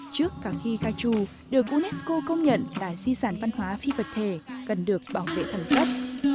trước cả khi ca trù được unesco công nhận là di sản văn hóa phi vật thể cần được bảo vệ thần chất